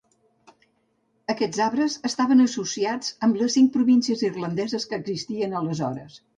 Aquests arbres estaven associats amb les cinc províncies irlandeses que existien aleshores.